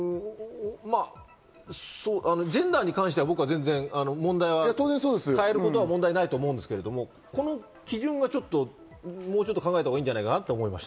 ジェンダーに関しては、僕は全然問題ないと思うんですけれど、この基準をもうちょっと考えたほうがいいんじゃないかなと思いました。